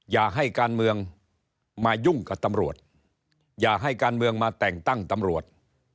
อย่าให้การเมืองมายุ่งกับตำรวจอย่าให้การเมืองมาแต่งตั้งตำรวจ